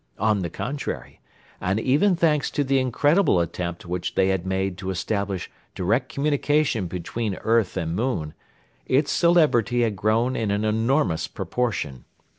On the contrary, and even thanks to the incredible attempt which they had made to establish direct communication between earth and moon, its celebrity had grown in an enormous proportion.